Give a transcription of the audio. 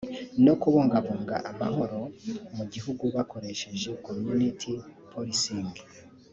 no kubungabunga amahoro mu gihugu bakoresheje Community Policing